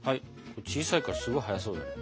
小さいからすごい早そうだね。